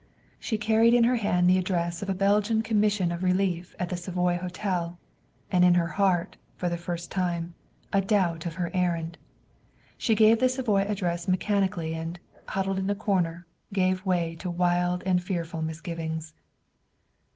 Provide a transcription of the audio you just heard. She carried in her hand the address of a Belgian commission of relief at the Savoy Hotel, and in her heart, for the first time, a doubt of her errand. She gave the Savoy address mechanically and, huddled in a corner, gave way to wild and fearful misgivings.